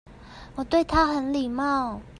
我對他很禮貌